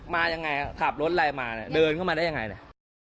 มาอย่างไรขับรถไรมาเนี่ยเดินเข้ามาได้อย่างไรเนี่ย